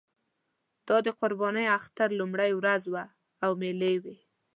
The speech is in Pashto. دا د قربانۍ اختر لومړۍ ورځ وه او مېلې وې.